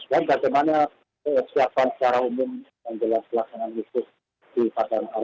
pak pak soe bagaimana kesiapan secara umum dalam kelasan yang disusul di pakarun pak